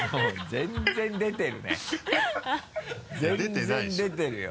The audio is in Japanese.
全然出てるよ。